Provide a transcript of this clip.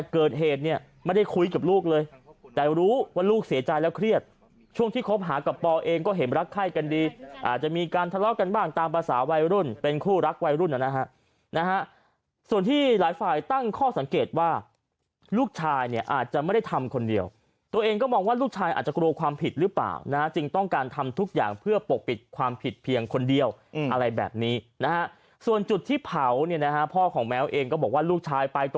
เป็นคู่รักวัยรุ่นน่ะนะฮะนะฮะส่วนที่หลายฝ่ายตั้งข้อสังเกตว่าลูกชายเนี่ยอาจจะไม่ได้ทำคนเดียวตัวเองก็บอกว่าลูกชายอาจจะโกรธความผิดหรือเปล่านะฮะจริงต้องการทำทุกอย่างเพื่อปกปิดความผิดเพียงคนเดียวอืมอะไรแบบนี้นะฮะส่วนจุดที่เผาเนี่ยนะฮะพ่อของแมวเองก็บอกว่าลูกชายไป